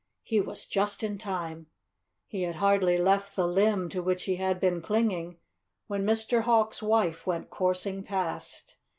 He was just in time. He had hardly left the limb to which he had been clinging when Mr. Hawk's wife went coursing past.